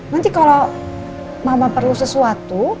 nanti kalau mama perlu sesuatu